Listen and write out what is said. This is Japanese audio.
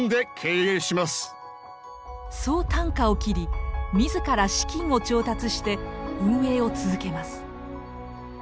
そうたんかを切り自ら資金を調達して運営を続けます。